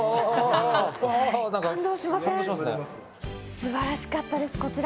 素晴らしかったです、こちら。